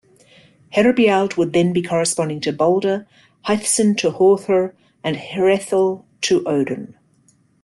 Herebeald would then be corresponding to Balder, Hæþcyn to Höðr and Hreðel to Odin.